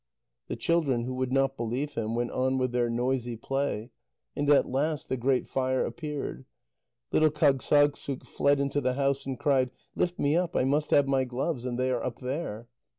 The children, who would not believe him, went on with their noisy play, and at last the Great Fire appeared. Little Kâgssagssuk fled into the house, and cried: "Lift me up. I must have my gloves, and they are up there!"